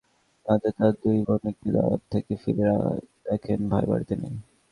রাতে তাঁর দুই বোন একটি দাওয়াত থেকে ফিরে দেখেন ভাই বাড়িতে নেই।